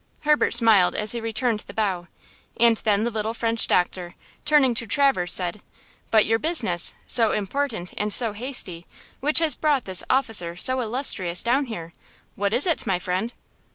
Herbert smiled as he returned the bow. And then the little French doctor, turning to Traverse said: "But your business, so important and so hasty, which has brought this officer so illustrious down here–what is it, my friend?"